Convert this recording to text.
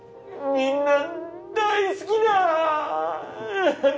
みんな大好きだ！